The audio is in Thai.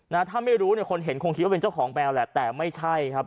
นะถ้าไม่รู้เนี่ยคนเห็นคงคิดว่าเป็นเจ้าของแมวแหละแต่ไม่ใช่ครับ